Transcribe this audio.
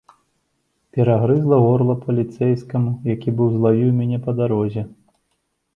Перагрызла горла паліцэйскаму, які быў злавіў мяне па дарозе.